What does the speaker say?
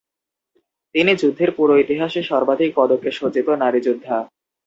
তিনি যুদ্ধের পুরো ইতিহাসে সর্বাধিক পদকে সজ্জিত নারী যোদ্ধা।